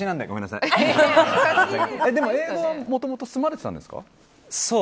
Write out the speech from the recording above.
でも英語はもともと住まれていたんですか？